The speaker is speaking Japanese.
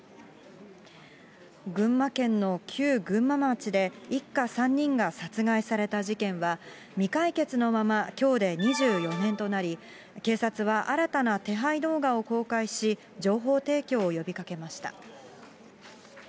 群馬県の旧群馬町で、一家３人が殺害された事件は、未解決のままきょうで２４年となり、警察は新たな手配動画を公開し、情報提供を呼びかけました。